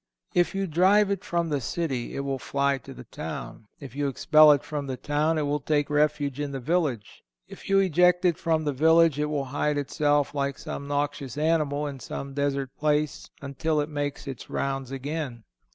If you drive it from the city, it will fly to the town. If you expel it from the town, it will take refuge in the village. If you eject it from the village, it will hide itself like some noxious animal, in some desert place until it makes its rounds again.